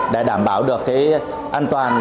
để đảm bảo được cái an toàn